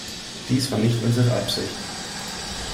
Dies war nicht unsere Absicht.